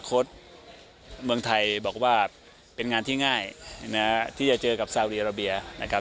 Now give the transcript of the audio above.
เมืองไทยบอกว่าเป็นงานที่ง่ายนะที่จะเจอกับซาวดีอาราเบียนะครับ